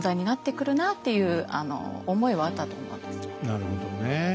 なるほどね。